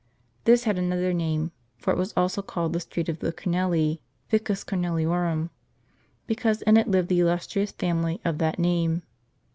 This had another name, for it was also called the street of the Cornelii, Vicus Corneliorum, because in it lived the illustrious family of that name.